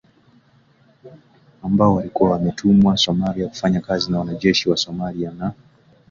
ambao walikuwa wametumwa Somalia kufanya kazi na wanajeshi wa Somalia na